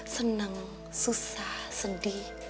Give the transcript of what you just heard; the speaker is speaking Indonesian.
seneng susah sedih